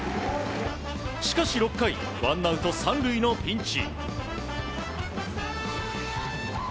しかし６回ワンアウト３塁のピンチ。